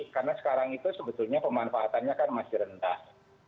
karena sekarang itu sebetulnya pemanfaatannya kan masih rendah